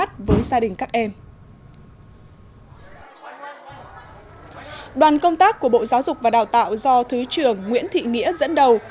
trên công tác của bộ giáo dục và đào tạo do thứ trường nguyễn thị nghĩa dẫn đầu